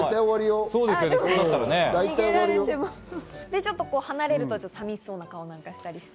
ちょっと離れると寂しそうな顔をしたりして。